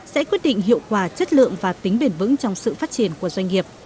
sẽ quyết định hiệu quả chất lượng và tính bền vững trong sự phát triển của doanh nghiệp